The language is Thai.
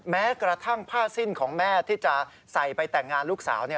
แม้กระทั่งผ้าสิ้นของแม่ที่จะใส่ไปแต่งงานลูกสาว